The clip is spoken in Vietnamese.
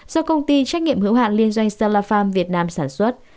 do công ty trách nhiệm hữu hạn liên doanh stella farm việt nam sản xuất